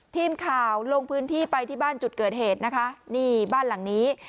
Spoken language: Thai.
ทีมข่าวลงพื้นที่ไปที่บ้านจุดเกิดเหตุนะคะนี่บ้านหลังนี้